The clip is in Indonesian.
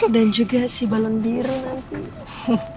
dan juga si balon biru nanti